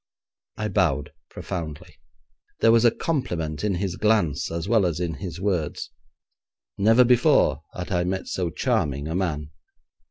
I bowed profoundly. There was a compliment in his glance as well as in his words. Never before had I met so charming a man.